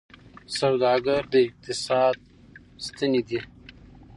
سوداګر د اقتصاد ستني دي.